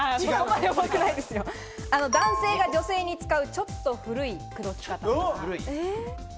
男性が女性に使う、ちょっと古い口説き方。